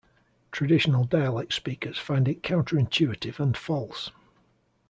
Traditional dialect speakers find it counter-intuitive and false...